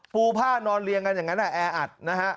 ปูผ้านอนเรียงกันอย่างนั้นแออัดนะฮะ